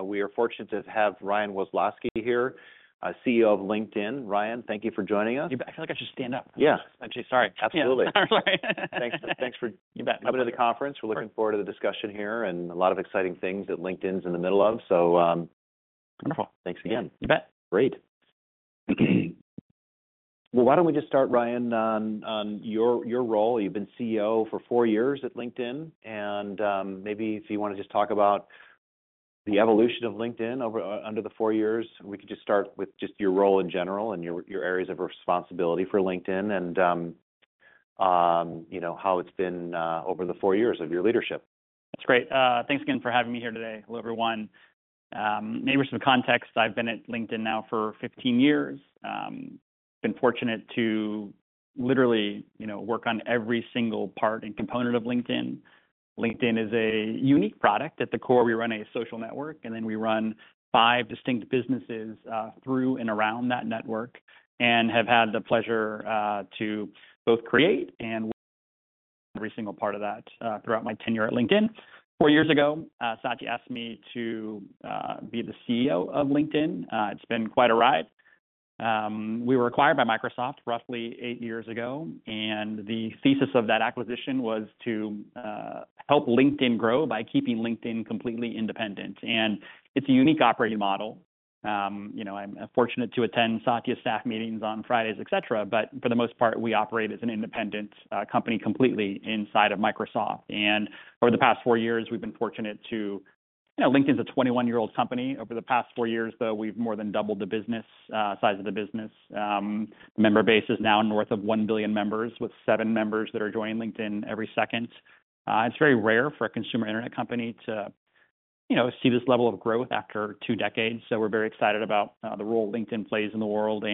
We are fortunate to have Ryan Roslansky here, CEO of LinkedIn. Ryan, thank you for joining us. I feel like I should stand up. Yeah. Actually, sorry. Absolutely. All right. Thanks, thanks for- You bet Coming to the conference. We're looking forward to the discussion here and a lot of exciting things that LinkedIn's in the middle of. So, Wonderful. Thanks again. You bet. Great. Well, why don't we just start, Ryan, on your role? You've been CEO for four years at LinkedIn, and maybe if you want to just talk about the evolution of LinkedIn under the four years, we could just start with just your role in general and your areas of responsibility for LinkedIn, and you know, how it's been over the four years of your leadership. That's great. Thanks again for having me here today. Hello, everyone. Maybe some context, I've been at LinkedIn now for 15 years. Been fortunate to literally, you know, work on every single part and component of LinkedIn. LinkedIn is a unique product. At the core, we run a social network, and then we run 5 distinct businesses, through and around that network, and have had the pleasure, to both create and every single part of that, throughout my tenure at LinkedIn. 4 years ago, Satya asked me to be the CEO of LinkedIn. It's been quite a ride. We were acquired by Microsoft roughly 8 years ago, and the thesis of that acquisition was to help LinkedIn grow by keeping LinkedIn completely independent. It's a unique operating model. You know, I'm fortunate to attend Satya's staff meetings on Fridays, et cetera, but for the most part, we operate as an independent company completely inside of Microsoft. And over the past 4 years, we've been fortunate to... You know, LinkedIn is a 21-year-old company. Over the past 4 years, though we've more than doubled the business size of the business. Member base is now north of 1 billion members, with 7 members that are joining LinkedIn every second. It's very rare for a consumer internet company to, you know, see this level of growth after 2 decades, so we're very excited about the role LinkedIn plays in the world.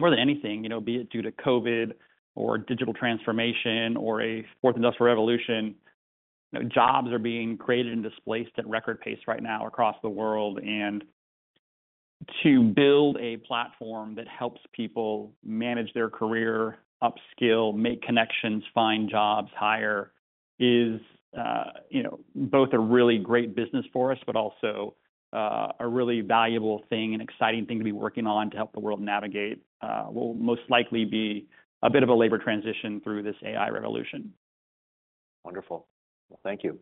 More than anything, you know, be it due to COVID or digital transformation or a Fourth Industrial Revolution, you know, jobs are being created and displaced at record pace right now across the world. To build a platform that helps people manage their career, upskill, make connections, find jobs, hire, is you know, both a really great business for us, but also, a really valuable thing and exciting thing to be working on to help the world navigate, will most likely be a bit of a labor transition through this AI revolution. Wonderful. Thank you.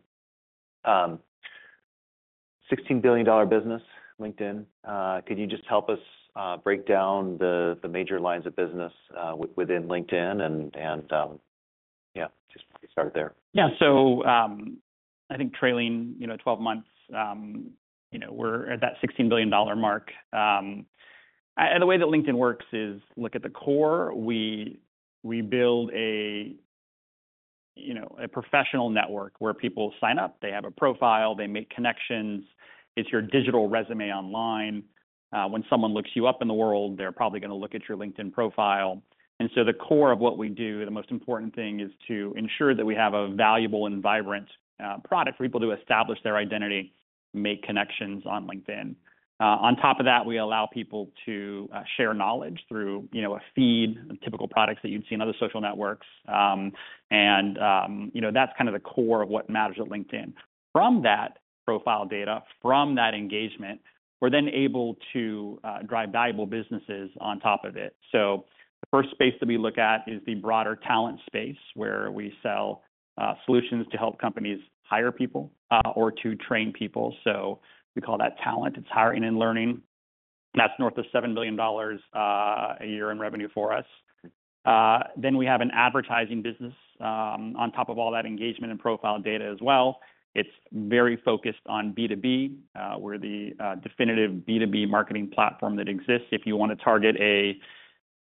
$16 billion business, LinkedIn. Could you just help us break down the major lines of business within LinkedIn and, yeah, just start there. Yeah. So, I think trailing 12 months, you know, we're at that $16 billion mark. And the way that LinkedIn works is, look, at the core, we build a professional network where people sign up, they have a profile, they make connections. It's your digital resume online. When someone looks you up in the world, they're probably going to look at your LinkedIn profile. And so the core of what we do, the most important thing, is to ensure that we have a valuable and vibrant product for people to establish their identity, make connections on LinkedIn. On top of that, we allow people to share knowledge through, you know a feed, typical products that you'd see in other social networks. You know, that's kind of the core of what matters at LinkedIn. From that profile data, from that engagement, we're then able to drive valuable businesses on top of it. So the first space that we look at is the broader talent space, where we sell solutions to help companies hire people or to train people. So we call that talent. It's hiring and learning. That's north of $7 billion a year in revenue for us. Then we have an advertising business on top of all that engagement and profile data as well. It's very focused on B2B. We're the definitive B2B marketing platform that exists. If you want to target a,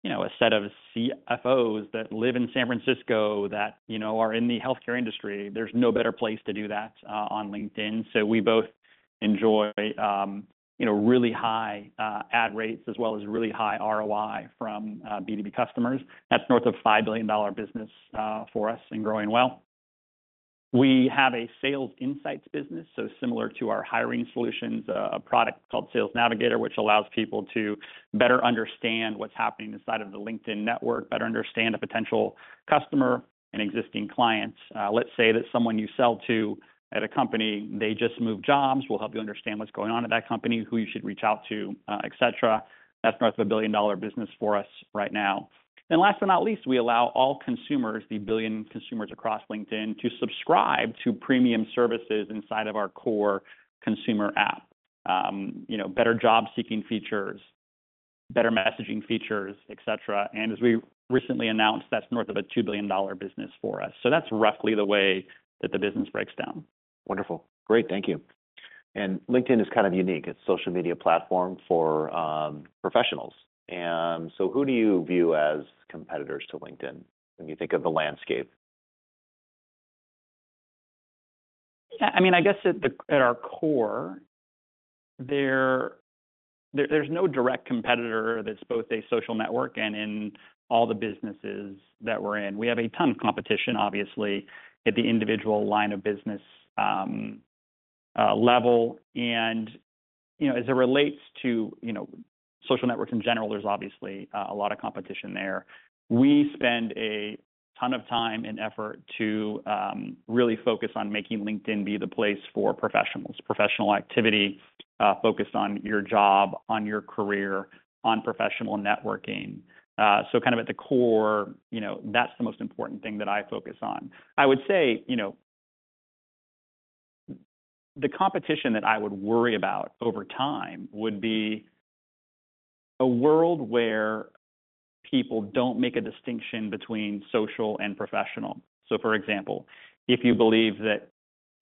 you know a set of CFOs that live in San Francisco, that you know, are in the healthcare industry, there's no better place to do that, on LinkedIn. So we both enjoy, you know, really high ad rates as well as really high ROI from B2B customers. That's north of $5 billion business for us and growing well. We have a sales insights business so similar to our hiring solutions, a product called Sales Navigator, which allows people to better understand what's happening inside of the LinkedIn network, better understand a potential customer and existing clients. Let's say that someone you sell to at a company, they just moved jobs, we'll help you understand what's going on at that company, who you should reach out to, et cetera. That's north of a billion-dollar business for us right now. And last but not least, we allow all consumers, the 1 billion consumers across LinkedIn, to subscribe to premium services inside of our core consumer app. You know, better job seeking features, better messaging features, et cetera. And as we recently announced, that's north of a $2 billion business for us. So that's roughly the way that the business breaks down. Wonderful. Great, thank you. LinkedIn is kind of unique. It's social media platform for professionals. So who do you view as competitors to LinkedIn when you think of the landscape? Yeah, I mean, I guess at our core, there's no direct competitor that's both a social network and in all the businesses that we're in. We have a ton of competition, obviously, at the individual line of business level, and you know, as it relates to, you know, social networks in general, there's obviously a lot of competition there. We spend a ton of time and effort to really focus on making LinkedIn be the place for professionals, professional activity focused on your job, on your career, on professional networking. So kind of at the core, you know, that's the most important thing that I focus on. I would say, you know, the competition that I would worry about over time would be a world where people don't make a distinction between social and professional. So for example, if you believe that,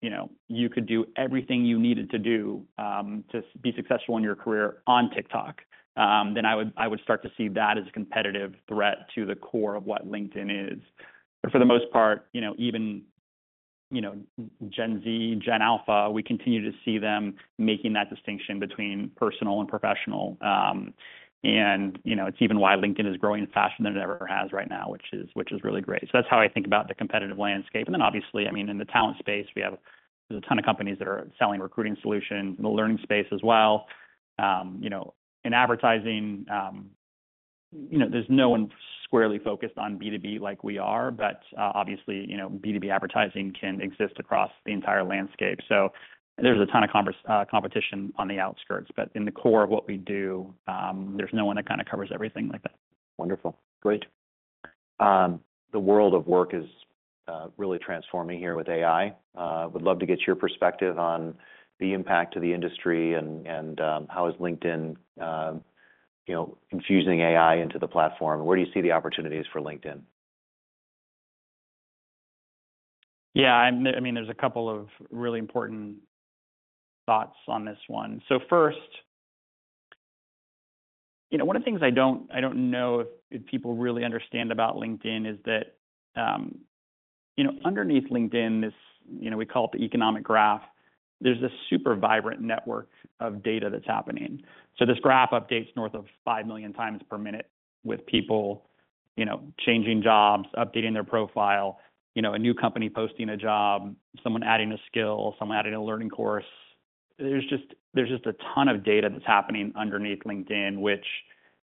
you know, you could do everything you needed to do to be successful in your career on TikTok, then I would, I would start to see that as a competitive threat to the core of what LinkedIn is. But for the most part, you know, even you know, Gen Z, Gen Alpha, we continue to see them making that distinction between personal and professional. You know, it's even why LinkedIn is growing faster than it ever has right now, which is, which is really great. So that's how I think about the competitive landscape. And then obviously, I mean, in the talent space, we have, there's a ton of companies that are selling recruiting solutions, in the learning space as well. You know, in advertising, you know, there's no one squarely focused on B2B like we are, but obviously you know, B2B advertising can exist across the entire landscape. So there's a ton of competition on the outskirts, but in the core of what we do, there's no one that kind of covers everything like that. Wonderful. Great. The world of work is really transforming here with AI. Would love to get your perspective on the impact to the industry and how is LinkedIn you know infusing AI into the platform, and where do you see the opportunities for LinkedIn? Yeah, I mean, there's a couple of really important thoughts on this one. So first, you know, one of the things I don't know if people really understand about LinkedIn is that, you know, underneath LinkedIn, this, you know, we call it the Economic Graph, there's this super vibrant network of data that's happening. So this graph updates north of 5 million times per minute with people, you know, changing jobs, updating their profile, you know, a new company posting a job, someone adding a skill, someone adding a learning course. There's just a ton of data that's happening underneath LinkedIn, which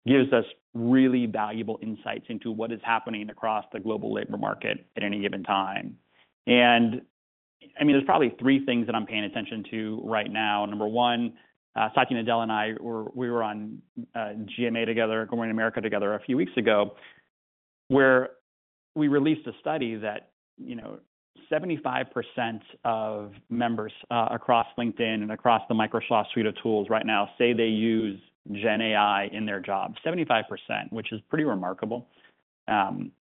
gives us really valuable insights into what is happening across the global labor market at any given time. And I mean, there's probably three things that I'm paying attention to right now. Number one, Satya Nadella and I we were on GMA together, Good Morning America together a few weeks ago, where we released a study that, you know, 75% of members across LinkedIn and across the Microsoft suite of tools right now say they use GenAI in their jobs. 75%, which is pretty remarkable.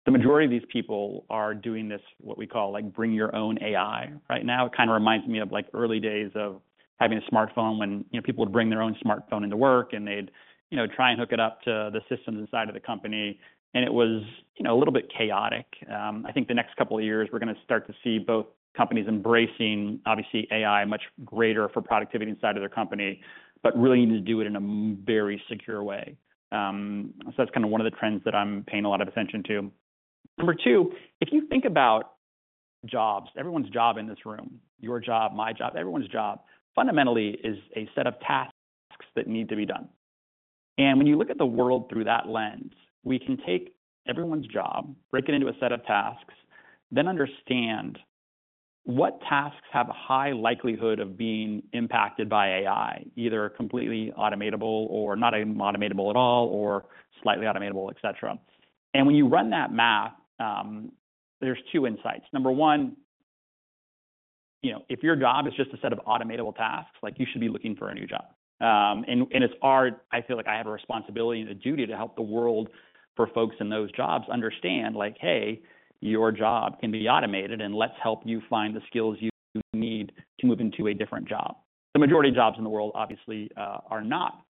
The majority of these people are doing this, what we call like, bring your own AI. Right now, it kind of reminds me of like, early days of having a smartphone when, you know, people would bring their own smartphone into work and they'd you know, try and hook it up to the systems inside of the company and it was you know, a little bit chaotic. I think the next couple of years, we're going to start to see both companies embracing obviously AI much greater for productivity inside of their company but really need to do it in a very secure way. So that's kind of one of the trends that I'm paying a lot of attention to. Number two, if you think about jobs everyone's job in this room, your job, my job, everyone's job fundamentally is a set of tasks that need to be done. And when you look at the world through that lens, we can take everyone's job, break it into a set of tasks, then understand what tasks have a high likelihood of being impacted by AI, either completely automatable or not automatable at all or slightly automatable, et cetera. And when you run that math, there's two insights. Number one, you know, if your job is just a set of automatable tasks, like you should be looking for a new job. I feel like I have a responsibility and a duty to help the world for folks in those jobs understand, like, "Hey, your job can be automated, and let's help you find the skills you need to move into a different job." The majority of jobs in the world, obviously, are not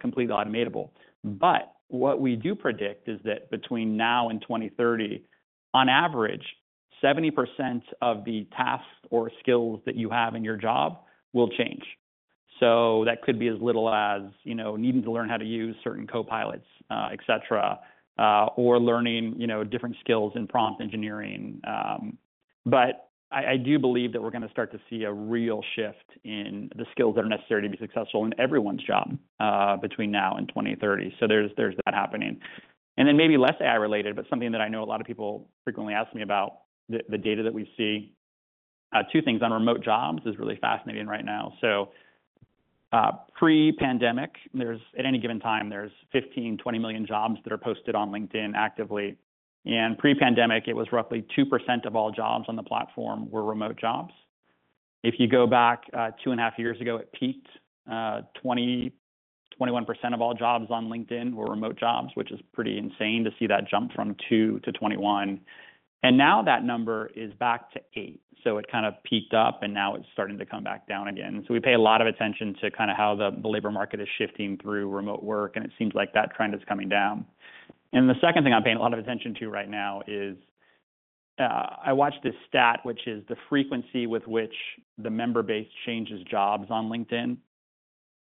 completely automatable. But what we do predict is that between now and 2030, on average, 70% of the tasks or skills that you have in your job will change. So that could be as little as, you know, needing to learn how to use certain Copilots, et cetera, or learning, you know, different skills in prompt engineering. But I do believe that we're going to start to see a real shift in the skills that are necessary to be successful in everyone's job, between now and 2030. So there's that happening. And then maybe less AI-related, but something that I know a lot of people frequently ask me about, the data that we see, two things on remote jobs is really fascinating right now. So, pre-pandemic, at any given time, there's 15-20 million jobs that are posted on LinkedIn actively, and pre-pandemic, it was roughly 2% of all jobs on the platform were remote jobs. If you go back two and a half years ago it peaked, 21% of all jobs on LinkedIn were remote jobs, which is pretty insane to see that jump from 2 to 21. Now that number is back to 8, so it kind of peaked up, and now it's starting to come back down again. We pay a lot of attention to kind of how the labor market is shifting through remote work, and it seems like that trend is coming down. The second thing I'm paying a lot of attention to right now is, I watched this stat which is the frequency with which the member base changes jobs on LinkedIn.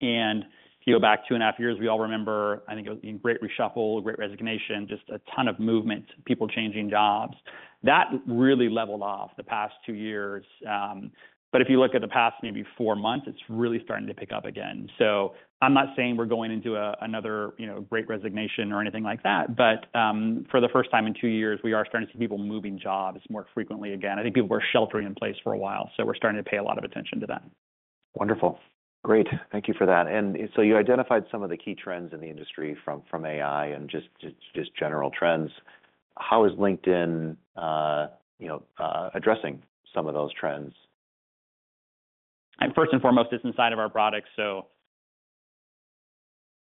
If you go back 2.5 years, we all remember, I think it was the Great Reshuffle, Great Resignation, just a ton of movement, people changing jobs. That really leveled off the past 2 years, but if you look at the past maybe 4 months, it's really starting to pick up again. So I'm not saying we're going into a another you know, Great Resignation or anything like that but for the first time in two years, we are starting to see people moving jobs more frequently again. I think people were sheltering in place for a while, so we're starting to pay a lot of attention to that. Wonderful. Great, thank you for that. And so you identified some of the key trends in the industry from AI and just general trends. How is LinkedIn, you know, addressing some of those trends? First and foremost, it's inside of our product. So,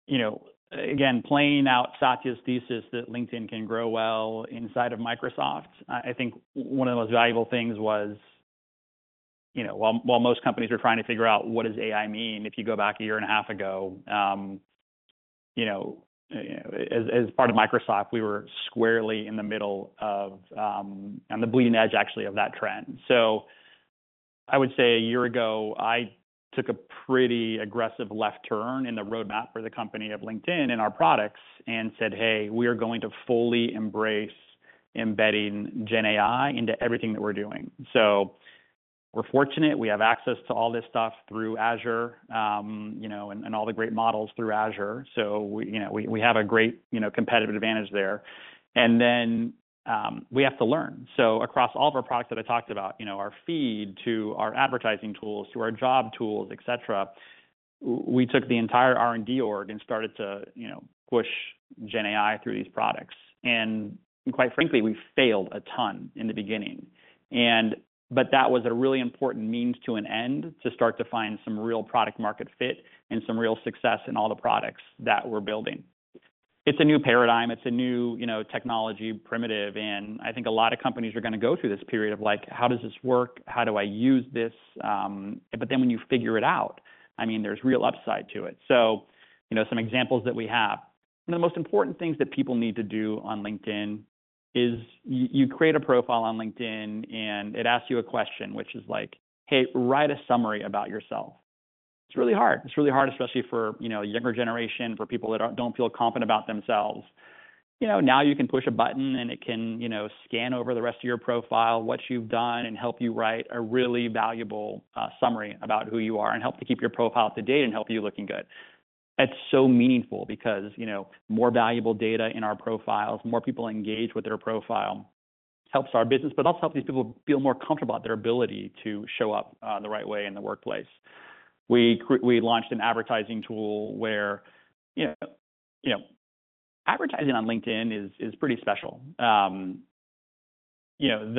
you know, again playing out Satya's thesis that LinkedIn can grow well inside of Microsoft, I think one of the most valuable things was you know, while most companies are trying to figure out what does AI mean, if you go back a year and a half ago, you know, as part of Microsoft, we were squarely in the middle of on the bleeding edge actually of that trend. So I would say a year ago, I took a pretty aggressive left turn in the roadmap for the company of LinkedIn and our products and said, "Hey, we are going to fully embrace embedding Gen AI into everything that we're doing." So we're fortunate, we have access to all this stuff through Azure, you know, and all the great models through Azure. So we, you know, we have a great, you know, competitive advantage there. And then we have to learn. So across all of our products that I talked about, you know, our feed to our advertising tools, to our job tools, et cetera, we took the entire R&D org and started to, you know, push Gen AI through these products. And quite frankly, we failed a ton in the beginning, but that was a really important means to an end to start to find some real product market fit and some real success in all the products that we're building. It's a new paradigm, it's a new, you know, technology primitive, and I think a lot of companies are going to go through this period of like, "How does this work? How do I use this?" But then when you figure it out, I mean, there's real upside to it. So, you know, some examples that we have. One of the most important things that people need to do on LinkedIn is you create a profile on LinkedIn, and it asks you a question, which is like, "Hey, write a summary about yourself." It's really hard. It's really hard, especially for, you know, a younger generation, for people that don't feel confident about themselves. You know, now you can push a button and it can, you know, scan over the rest of your profile, what you've done, and help you write a really valuable summary about who you are and help to keep your profile up to date and help you looking good. That's so meaningful because, you know, more valuable data in our profiles, more people engage with their profile, helps our business, but also helps these people feel more comfortable about their ability to show up the right way in the workplace. We launched an advertising tool where, you know, advertising on LinkedIn is pretty special. You know,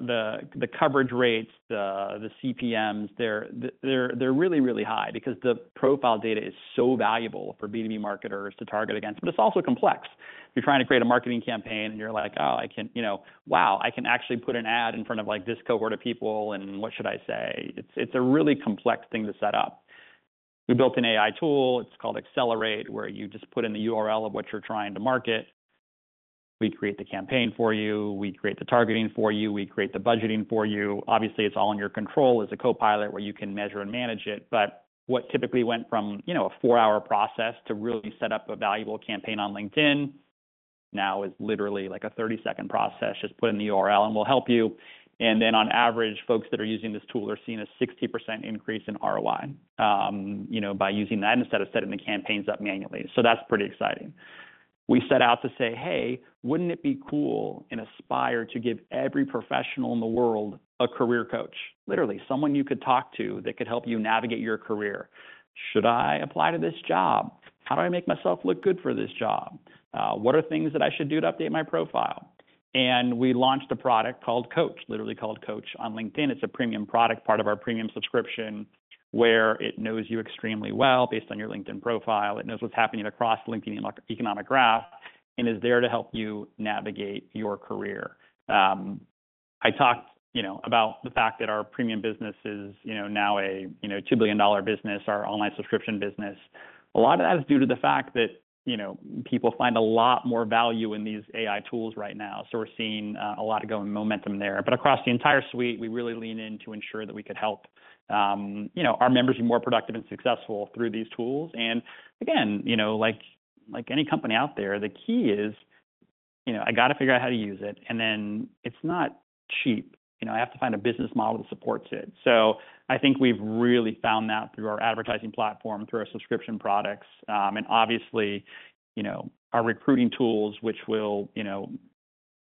the coverage rates, the CPMs, they're really high because the profile data is so valuable for B2B marketers to target against, but it's also complex. You're trying to create a marketing campaign, and you're like, "Oh, I can, you know- wow, I can actually put an ad in front of like this cohort of people, and what should I say?" It's a really complex thing to set up. We built an AI tool, it's called Accelerate, where you just put in the URL of what you're trying to market. We create the campaign for you, we create the targeting for you, we create the budgeting for you. Obviously, it's all in your control as a Copilot where you can measure and manage it, but what typically went from, you know, a 4-hour process to really set up a valuable campaign on LinkedIn, now is literally like a 30-second process. Just put in the URL and we'll help you, and then on average, folks that are using this tool are seeing a 60% increase in ROI, you know, by using that instead of setting the campaigns up manually. So that's pretty exciting. We set out to say, "Hey, wouldn't it be cool and aspire to give every professional in the world a career coach?" Literally, someone you could talk to that could help you navigate your career. Should I apply to this job? How do I make myself look good for this job? What are things that I should do to update my profile? And we launched a product called Coach, literally called Coach on LinkedIn. It's a premium product, part of our premium subscription, where it knows you extremely well based on your LinkedIn profile. It knows what's happening across LinkedIn Economic Graph and is there to help you navigate your career. I talked, you know, about the fact that our premium business is, you know, now a you know, $2 billion business, our online subscription business. A lot of that is due to the fact that, you know, people find a lot more value in these AI tools right now, so we're seeing a lot of growing momentum there. But across the entire suite, we really lean in to ensure that we could help, you know, our members be more productive and successful through these tools. And again, you know, like, like any company out there, the key is, you know, I got to figure out how to use it, and then it's not cheap. You know, I have to find a business model that supports it. So I think we've really found that through our advertising platform, through our subscription products, and obviously, you know, our recruiting tools, which will, you know,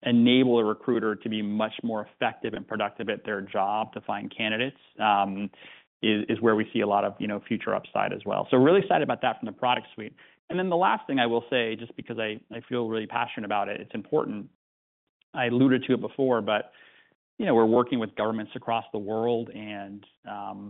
enable a recruiter to be much more effective and productive at their job to find candidates, is where we see a lot of, you know, future upside as well. So we're really excited about that from the product suite. And then the last thing I will say, just because I feel really passionate about it, it's important. I alluded to it before, but you know, we're working with governments across the world and,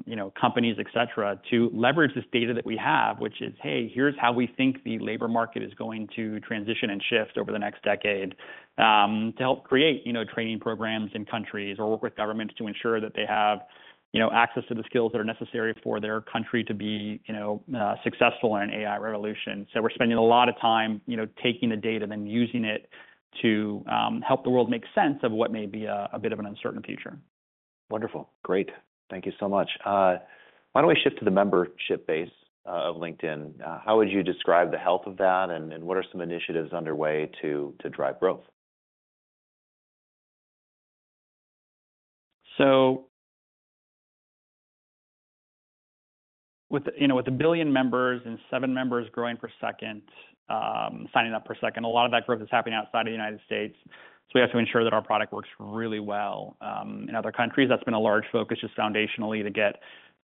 you know, companies, et cetera, to leverage this data that we have, which is hey here's how we think the labor market is going to transition and shift over the next decade, to help create, you know, training programs in countries or work with governments to ensure that they have, you know, access to the skills that are necessary for their country to be, you know, successful in an AI revolution. So we're spending a lot of time, you know, taking the data, then using it to help the world make sense of what may be a bit of an uncertain future.... Wonderful. Great. Thank you so much. Why don't we shift to the membership base of LinkedIn? How would you describe the health of that and and what are some initiatives underway to, to drive growth? So with, you know, with 1 billion members and 7 members growing per second, signing up per second, a lot of that growth is happening outside of the United States. So we have to ensure that our product works really well in other countries. That's been a large focus, just foundationally, to get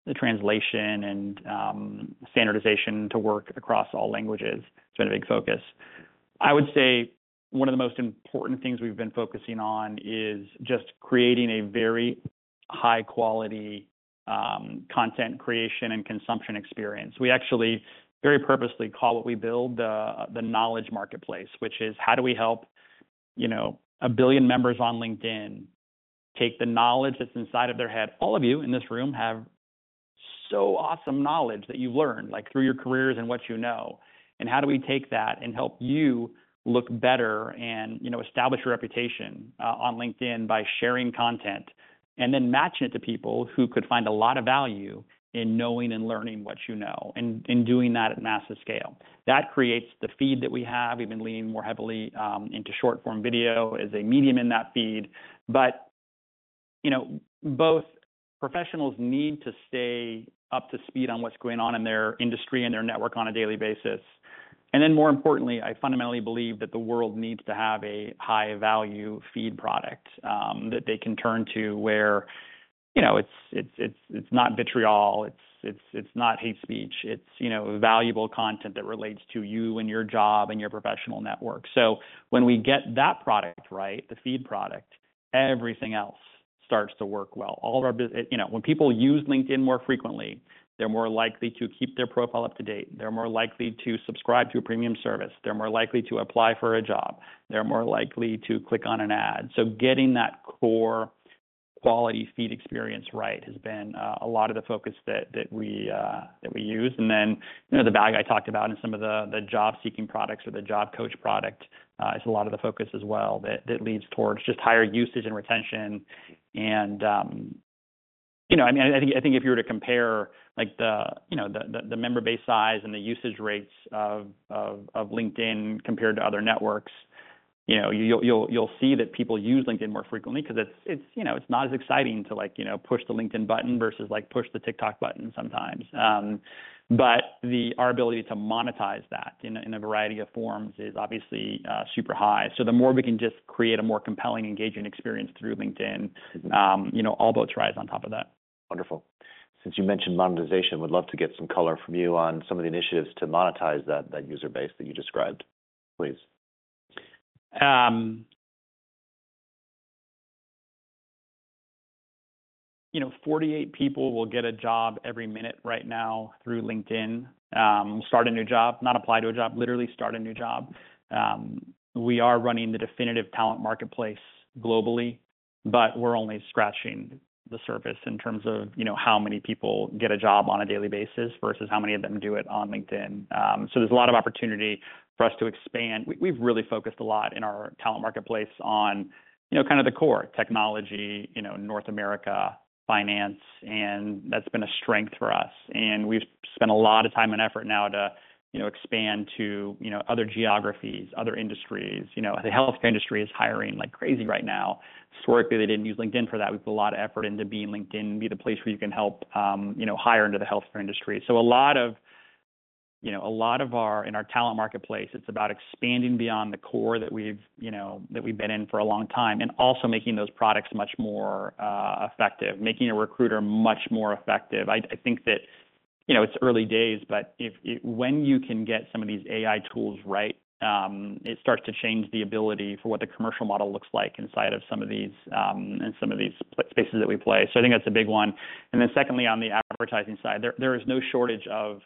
the translation and standardization to work across all languages. It's been a big focus. I would say one of the most important things we've been focusing on is just creating a very high-quality content creation and consumption experience. We actually very purposely call what we build the knowledge marketplace, which is how do we help, you know, 1 billion members on LinkedIn take the knowledge that's inside of their head? All of you in this room have so awesome knowledge that you've learned, like, through your careers and what you know, and how do we take that and help you look better and, you know, establish your reputation on LinkedIn by sharing content, and then matching it to people who could find a lot of value in knowing and learning what you know, and doing that at massive scale. That creates the feed that we have. We've been leaning more heavily into short-form video as a medium in that feed. But, you know, both professionals need to stay up to speed on what's going on in their industry and their network on a daily basis. And then, more importantly, I fundamentally believe that the world needs to have a high-value feed product that they can turn to where you know, it's not vitriol, it's not hate speech. It's you know, valuable content that relates to you and your job and your professional network. So when we get that product right, the feed product, everything else starts to work well. You know, when people use LinkedIn more frequently, they're more likely to keep their profile up to date, they're more likely to subscribe to a premium service, they're more likely to apply for a job, they're more likely to click on an ad. So getting that core quality feed experience right has been a lot of the focus that we use. Then, you know, the value I talked about in some of the, the job-seeking products or the job coach product is a lot of the focus as well, that leads towards just higher usage and retention. You know, I mean, I think if you were to compare, like, the member base size and the usage rates of LinkedIn compared to other networks, you know, you'll see that people use LinkedIn more frequently because it's, you know, it's not as exciting to like, you know, push the LinkedIn button versus, like push the TikTok button sometimes. But our ability to monetize that in a variety of forms is obviously super high. The more we can just create a more compelling, engaging experience through LinkedIn, you know, all boats rise on top of that. Wonderful. Since you mentioned monetization, would love to get some color from you on some of the initiatives to monetize that, that user base that you described, please? You know, 48 people will get a job every minute right now through LinkedIn, start a new job, not apply to a job, literally start a new job. We are running the definitive talent marketplace globally, but we're only scratching the surface in terms of, you know, how many people get a job on a daily basis versus how many of them do it on LinkedIn. So there's a lot of opportunity for us to expand. We've really focused a lot in our talent marketplace on, you know, kind of the core: technology, you know, North America, finance, and that's been a strength for us. We've spent a lot of time and effort now to, you know, expand to, you know, other geographies, other industries. You know, the healthcare industry is hiring like crazy right now. It's work that they didn't use LinkedIn for that. We put a lot of effort into being LinkedIn be the place where you can help, you know, hire into the healthcare industry. So a lot of you know, a lot of our in our talent marketplace it's about expanding beyond the core that we've, you know, that we've been in for a long time, and also making those products much more effective, making a recruiter much more effective. I think that, you know, it's early days, but when you can get some of these AI tools right, it starts to change the ability for what the commercial model looks like inside of some of these in some of these spaces that we play. So I think that's a big one. And then secondly, on the advertising side, there is no shortage of,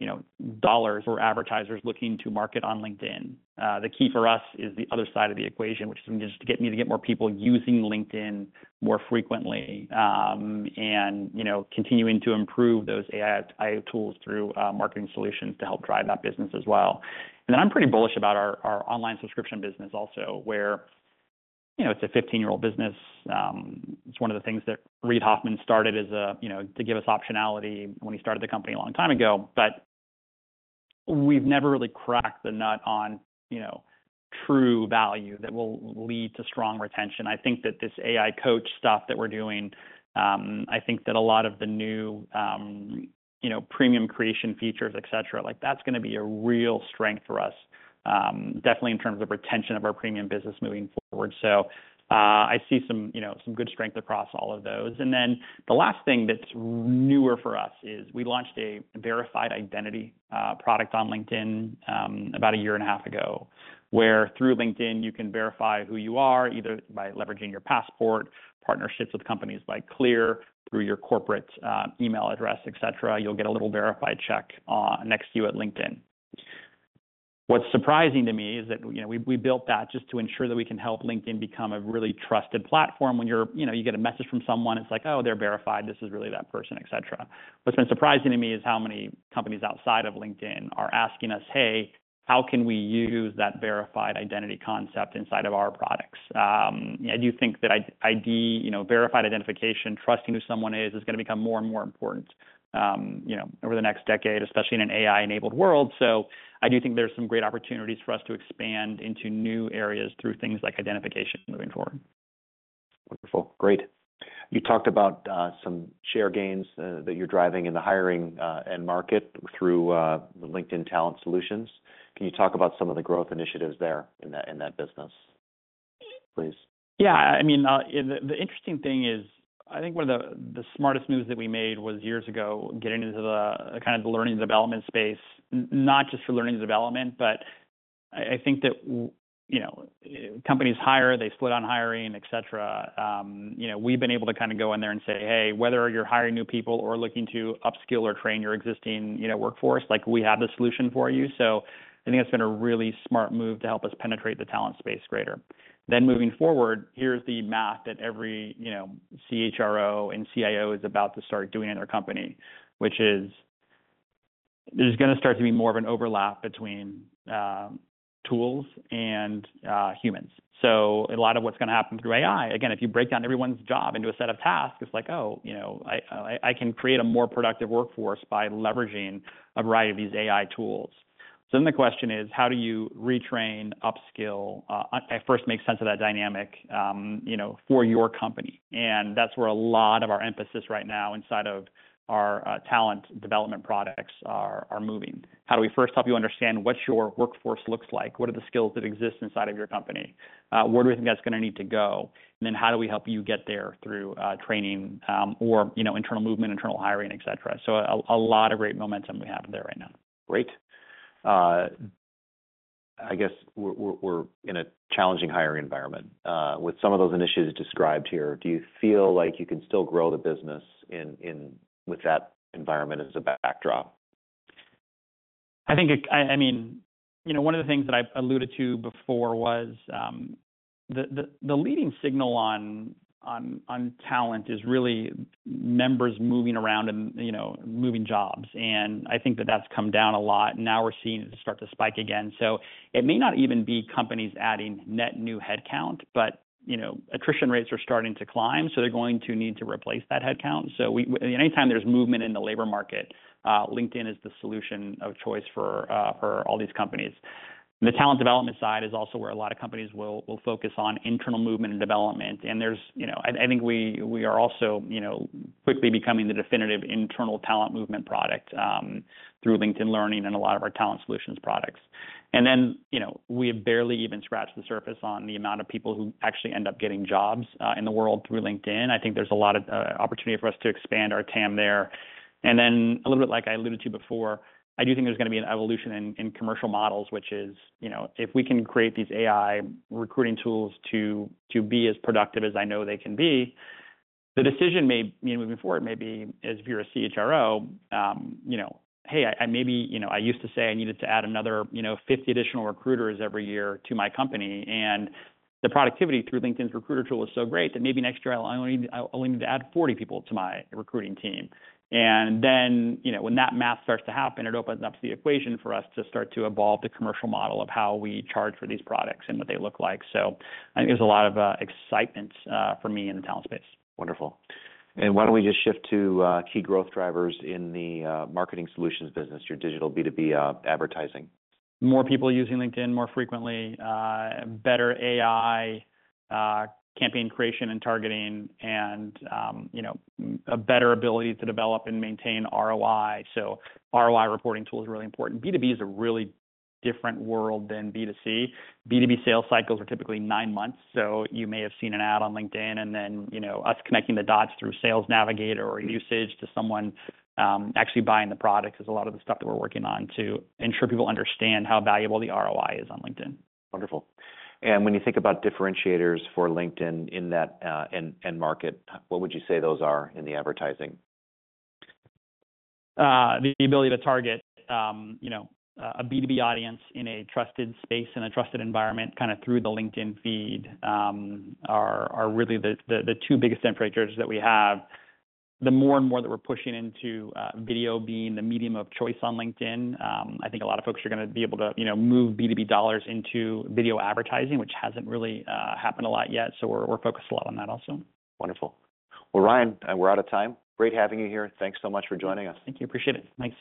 you know, dollars or advertisers looking to market on LinkedIn. The key for us is the other side of the equation, which is just to get more people using LinkedIn more frequently, and you know, continuing to improve those AI tools through marketing solutions to help drive that business as well. And then I'm pretty bullish about our online subscription business also where, you know, it's a 15-year-old business. It's one of the things that Reid Hoffman started as a you know, to give us optionality when he started the company a long time ago. But we've never really cracked the nut on, you know, true value that will lead to strong retention. I think that this AI coach stuff that we're doing, I think that a lot of the new, you know, premium creation features, et cetera, like that's going to be a real strength for us, definitely in terms of retention of our premium business moving forward. So, I see some, you know, some good strength across all of those. And then the last thing that's newer for us is we launched a verified identity product on LinkedIn, about a year and a half ago, where through LinkedIn, you can verify who you are, either by leveraging your passport, partnerships with companies like Clear, through your corporate email address, et cetera. You'll get a little verified check next to you at LinkedIn. What's surprising to me is that, you know, we built that just to ensure that we can help LinkedIn become a really trusted platform. When you're you know, you get a message from someone, it's like, "Oh, they're verified. This is really that person," et cetera. What's been surprising to me is how many companies outside of LinkedIn are asking us, "Hey, how can we use that verified identity concept inside of our products?" I do think that ID, you know, verified identification, trusting who someone is, is gonna become more and more important, you know, over the next decade, especially in an AI-enabled world. So I do think there's some great opportunities for us to expand into new areas through things like identification moving forward. Wonderful. Great. You talked about some share gains that you're driving in the hiring end market through the LinkedIn Talent Solutions. Can you talk about some of the growth initiatives there in that, in that business, please? Yeah. I mean, and the interesting thing is, I think one of the smartest moves that we made was years ago, getting into the kind of the learning and development space, not just for learning and development, but I, I think that, you know, companies hire, they split on hiring, et cetera. You know, we've been able to kind of go in there and say, "Hey, whether you're hiring new people or looking to upskill or train your existing, you know, workforce like we have the solution for you." So I think that's been a really smart move to help us penetrate the talent space greater. Then moving forward, here's the math that every you know, CHRO and CIO is about to start doing in their company, which is, there's gonna start to be more of an overlap between, tools and humans. So a lot of what's gonna happen through AI, again, if you break down everyone's job into a set of tasks, it's like, "Oh, you know, I, I can create a more productive workforce by leveraging a variety of these AI tools." So then the question is: how do you retrain, upskill at first make sense of that dynamic, you know, for your company? And that's where a lot of our emphasis right now inside of our talent development products are moving. How do we first help you understand what your workforce looks like? What are the skills that exist inside of your company? Where do we think that's gonna need to go? And then how do we help you get there through training, or you know, internal movement, internal hiring, et cetera. So, a lot of great momentum we have there right now. Great. I guess we're in a challenging hiring environment. With some of those initiatives described here, do you feel like you can still grow the business in... with that environment as a backdrop? I think, I mean, you know, one of the things that I alluded to before was the leading signal on talent is really members moving around and, you know, moving jobs, and I think that that's come down a lot, and now we're seeing it start to spike again. So it may not even be companies adding net new headcount, but, you know, attrition rates are starting to climb, so they're going to need to replace that headcount. So we, anytime there's movement in the labor market, LinkedIn is the solution of choice for for all these companies. The talent development side is also where a lot of companies will focus on internal movement and development, and there's you know... I think we are also, you know, quickly becoming the definitive internal talent movement product through LinkedIn Learning and a lot of our talent solutions products. And then, you know, we have barely even scratched the surface on the amount of people who actually end up getting jobs in the world through LinkedIn. I think there's a lot of opportunity for us to expand our TAM there. Then, a little bit like I alluded to before, I do think there's going to be an evolution in commercial models, which is, you know, if we can create these AI recruiting tools to be as productive as I know they can be, the decision may, you know, moving forward may be is if you're a CHRO, you know, "Hey, you know, I used to say I needed to add another, you know, 50 additional recruiters every year to my company, and the productivity through LinkedIn's recruiter tool is so great that maybe next year I'll only need to add 40 people to my recruiting team." And then, you know, when that math starts to happen, it opens up the equation for us to start to evolve the commercial model of how we charge for these products and what they look like. I think there's a lot of excitement for me in the talent space. Wonderful. Why don't we just shift to key growth drivers in the marketing solutions business, your digital B2B advertising? More people using LinkedIn more frequently better AI, campaign creation and targeting, and you know, a better ability to develop and maintain ROI. So ROI reporting tool is really important. B2B is a really different world than B2C. B2B sales cycles are typically nine months, so you may have seen an ad on LinkedIn, and then you know, us connecting the dots through Sales Navigator or usage to someone, actually buying the product is a lot of the stuff that we're working on to ensure people understand how valuable the ROI is on LinkedIn. Wonderful. And when you think about differentiators for LinkedIn in that end market, what would you say those are in the advertising? The ability to target, you know, a B2B audience in a trusted space, in a trusted environment, kind of through the LinkedIn feed, are really the two biggest differentiators that we have. The more and more that we're pushing into video being the medium of choice on LinkedIn, I think a lot of folks are gonna be able to you know, move B2B dollars into video advertising, which hasn't really happened a lot yet, so we're focused a lot on that also. Wonderful. Well, Ryan, we're out of time. Great having you here. Thanks so much for joining us. Thank you. Appreciate it. Thanks.